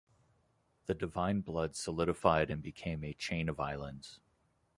The divine blood solidified and became a chain of islands.